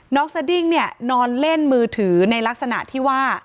สดิ้งเนี่ยนอนเล่นมือถือในลักษณะที่ว่า